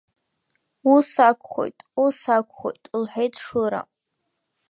Ус акәхоит, ус акәхоит, — лҳәеит Шура.